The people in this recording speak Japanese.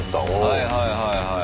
はいはいはいはい。